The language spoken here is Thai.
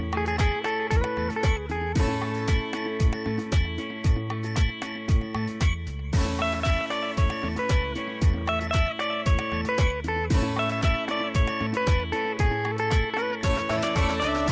โปรดติดตามตอนต่อไป